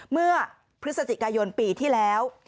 เมื่อพฤศจิกายนปีที่แล้ว